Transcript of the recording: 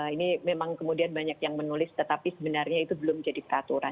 ini memang kemudian banyak yang menulis tetapi sebenarnya itu belum jadi peraturan